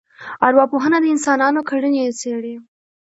ارواپوهنه د انسانانو کړنې څېړي